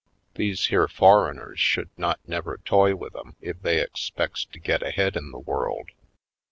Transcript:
These here foreigners should not never toy with 'em if they expects to get ahead in the world.